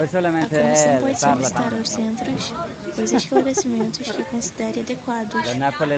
A Comissão pode solicitar aos centros os esclarecimentos que considere adequados.